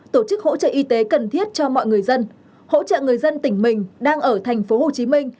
tổ chức hỗ trợ y tế cần thiết cho mọi người dân hỗ trợ người dân tỉnh mình đang ở thành phố hồ chí minh